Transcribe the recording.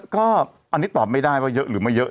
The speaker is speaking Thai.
ก็อันนี้ตอบไม่ได้ว่าเยอะหรือไม่เยอะ